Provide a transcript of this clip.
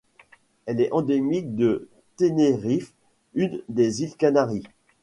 Elle est endémique de Tenerife, une des îles Canaries.